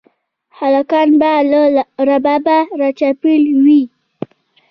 هلکان به له ربابه راچاپېر وي